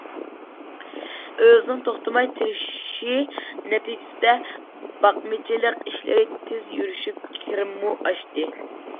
ئۆزىنىڭ توختىماي تىرىشىشى نەتىجىسىدە، باقمىچىلىق ئىشلىرى تېز يۈرۈشۈپ، كىرىمىمۇ ئاشتى.